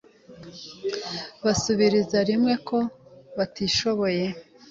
basubiriza rimwe ko batishoboye